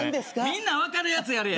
みんな分かるやつやれ。